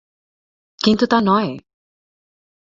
কিন্তু তা নয়।